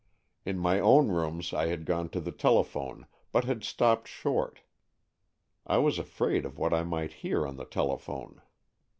In my own rooms I had gone to the tele phone, but had stopped short; I was afraid of what I might hear on the telephone.